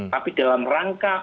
tapi dalam rangka